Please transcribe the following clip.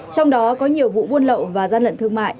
trong đó có nhiều vụ buôn lậu và gian lận thương mại